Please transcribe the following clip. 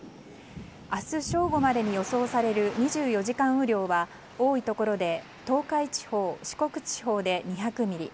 明日正午までに予想される２４時間雨量は多いところで東海地方四国地方で２００ミリ